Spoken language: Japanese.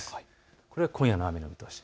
これが今夜の雨の見通し。